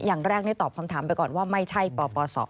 อย่างแรกได้ตอบคำถามไปก่อนว่าไม่ใช่ปปศ